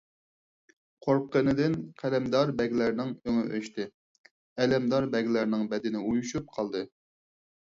قورققىنىدىن قەلەمدار بەگلەرنىڭ ئۆڭى ئۆچتى، ئەلەمدار بەگلەرنىڭ بەدىنى ئۇيۇشۇپ قالدى.